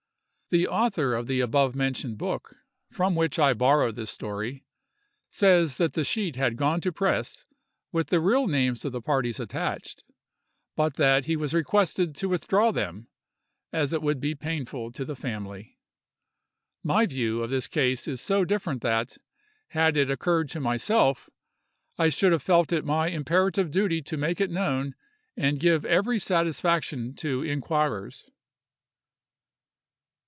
The author of the abovementioned book, from which I borrow this story, says that the sheet had gone to the press with the real names of the parties attached, but that he was requested to withdraw them, as it would be painful to the family. My view of this case is so different, that, had it occurred to myself, I should have felt it my imperative duty to make it known and give every satisfaction to inquirers.